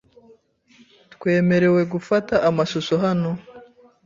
Twemerewe gufata amashusho hano?